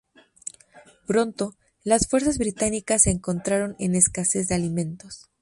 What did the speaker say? Pronto, las fuerzas británicas se encontraron en escasez de alimentos.